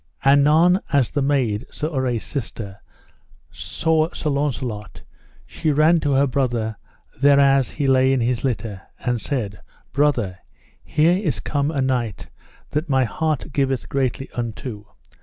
Anon as the maid, Sir Urre's sister, saw Sir Launcelot, she ran to her brother thereas he lay in his litter, and said: Brother, here is come a knight that my heart giveth greatly unto.